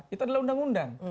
itu adalah undang undang